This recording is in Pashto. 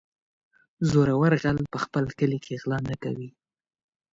- زورور غل په خپل کلي کې غلا نه کوي.